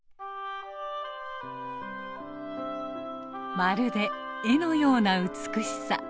まるで絵のような美しさ。